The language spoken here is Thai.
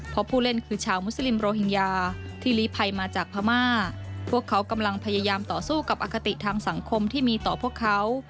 เพราะผู้เล่นคือชาวมุสลิมโรฮิงญาที่ลีภัยมาจากพม่าพวกเขากำลังพยายามต่อสู้กับอคติทางสังคมที่มีต่อพวกเขา